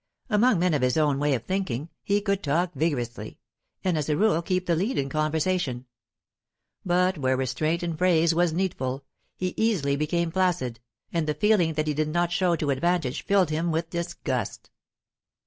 Among men of his own way of thinking, he could talk vigorously, and as a rule keep the lead in conversation; but where restraint in phrase was needful, he easily became flaccid, and the feeling that he did not show to advantage filled him with disgust.